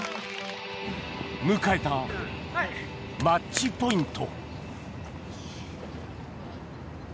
迎えたマッチポイント。